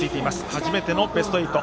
初めてのベスト８。